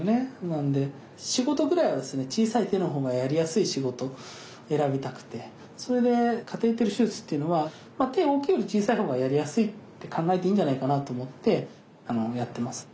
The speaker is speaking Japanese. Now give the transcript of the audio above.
なんで仕事ぐらいはですね小さい手の方がやりやすい仕事選びたくてそれでカテーテル手術っていうのは手大きいより小さい方がやりやすいって考えていいんじゃないかなと思ってやってます。